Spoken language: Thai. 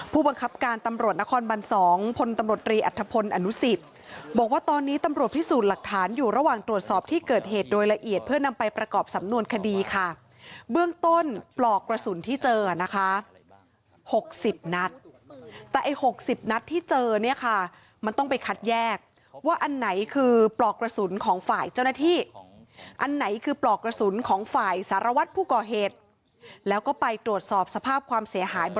ผู้บังคับการณ์ตำรวจนครบันสองพลตำรวจตรีอัฐพนธ์อนุสิตบอกว่าตอนนี้ตำรวจที่สูญหลักฐานอยู่ระหว่างตรวจสอบที่เกิดเหตุโดยละเอียดเพื่อนำไปประกอบสำนวนคดีค่ะเบื้องต้นปลอกกระสุนที่เจออ่ะนะคะหกสิบนัดแต่ไอ้หกสิบนัดที่เจอเนี้ยค่ะมันต้องไปคัดแยกว่าอันไหนคือปลอกกระส